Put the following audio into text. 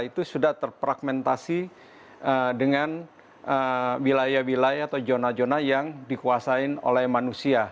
itu sudah terpragmentasi dengan wilayah wilayah atau zona zona yang dikuasai oleh manusia